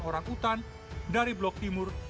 orangutan dari blok timur